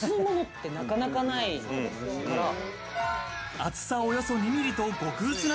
厚さ、およそ２ミリと極薄な